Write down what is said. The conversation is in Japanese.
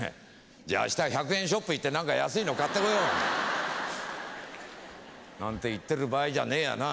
じゃあ明日１００円ショップ行って何か安いの買ってこよう！なんて言ってる場合じゃねえやな。